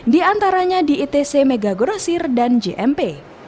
diantaranya di itc mega gorosir dan jmp